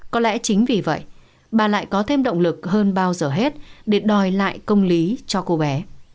có lẽ chính vì vậy bà lại có thêm động lực hơn bao giờ hết để đòi lại công lý cho cô bé